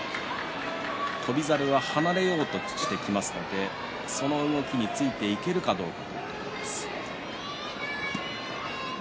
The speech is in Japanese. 翔猿は離れようとしてきますのでその動きについていけるかどうか。